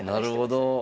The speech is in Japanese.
なるほど。